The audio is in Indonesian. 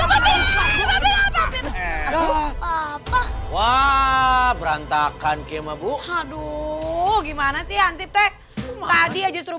aduh aduh papan berantakan kema bu haduh gimana sih hansip teh tadi aja suruh